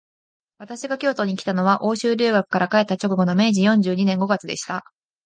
私が京都にきたのは、欧州留学から帰った直後の明治四十二年五月でした